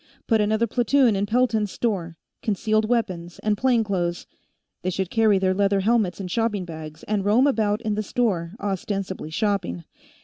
Put another platoon in Pelton's store. Concealed weapons, and plain clothes. They should carry their leather helmets in shopping bags, and roam about in the store, ostensibly shopping.